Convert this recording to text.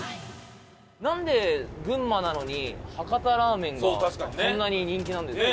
なんで群馬なのに博多ラーメンがそんなに人気なんですかね？